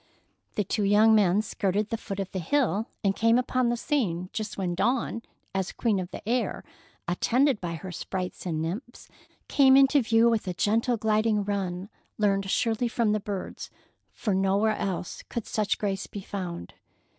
The two young men skirted the foot of the hill and came upon the scene just when Dawn, as queen of the air, attended by her sprites and nymphs, came into view with a gentle, gliding run learned surely from the birds, for nowhere else could such grace be found.